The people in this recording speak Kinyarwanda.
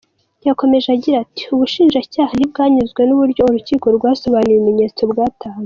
Yakomeje agira ati:“Ubushinjacyaha ntibwanyuzwe n’uburyo urukiko rwasobanuye ibimenyetso bwatanze.